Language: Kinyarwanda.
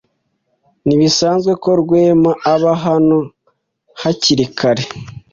Ntibisanzwe ko Rwema aba hano hakiri kare.